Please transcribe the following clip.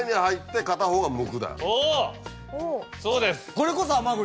これこそ。